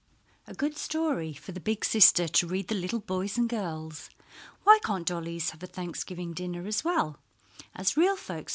A good story for the Big Sister to read to the little boys and girls. "Why can't dollies have a Thanksgiving dinner as well as real folks?"